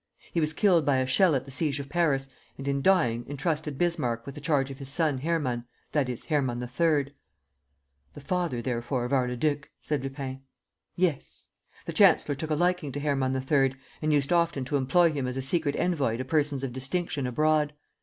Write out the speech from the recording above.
He was killed by a shell at the siege of Paris and, in dying, entrusted Bismarck with the charge of his son Hermann, that is, Hermann III." "The father, therefore, of our Leduc," said Lupin. "Yes. The chancellor took a liking to Hermann III., and used often to employ him as a secret envoy to persons of distinction abroad.